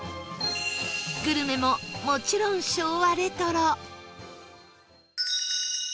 グルメももちろん昭和レトロ